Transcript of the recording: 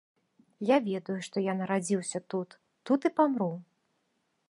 Я ведаю, што я нарадзіўся тут, тут і памру.